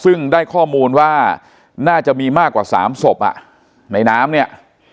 ซึ่งได้ข้อมูลว่าน่าจะมีมากกว่า๓ศพในน้ำเนี่ย